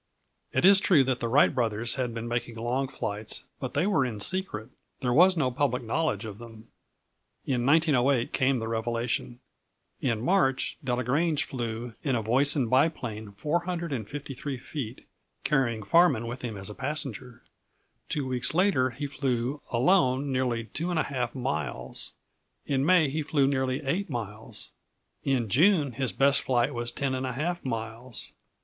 It is true that the Wright brothers had been making long flights, but they were in secret. There was no public knowledge of them. In 1908 came the revelation. In March, Delagrange flew in a Voisin biplane 453 feet, carrying Farman with him as a passenger. Two weeks later he flew alone nearly 2½ miles. In May he flew nearly 8 miles. In June his best flight was 10½ miles.